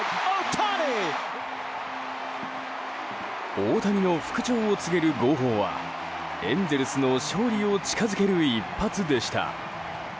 大谷の復調を告げる号砲はエンゼルスの勝利を近づける一発でした。